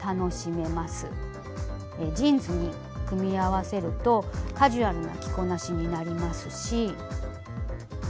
ジーンズに組み合わせるとカジュアルな着こなしになりますし。